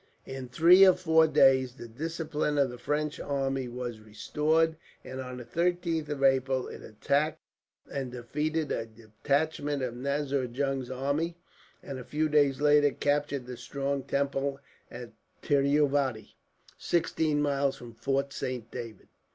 "In three or four days the discipline of the French army was restored, and on the 13th of April it attacked and defeated a detachment of Nazir Jung's army; and a few days later captured the strong temple of Tiruvadi, sixteen miles from Fort Saint David.